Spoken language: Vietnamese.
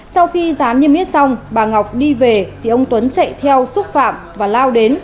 sau khi rán niêm yết xong bà ngọc đi về thì ông tuấn chạy theo xúc phạm và lao đến